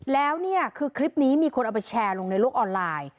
แล้วเนี่ยคือคลิปนี้มีคนเอาไปแชร์ลงในโลกออนไลน์